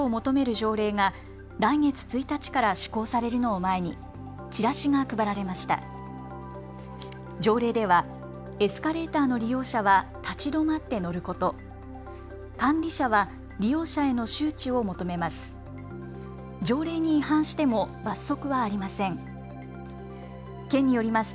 条例ではエスカレーターの利用者は立ち止まって乗ること、管理者は利用者への周知を求めます。